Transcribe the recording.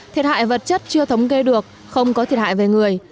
thiệt hại vật chất chưa thống kê được không có thiệt hại về người